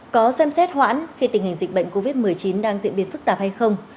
có xem xét hoãn khi tình hình dịch bệnh covid một mươi chín đang diễn biến phức tạp hay không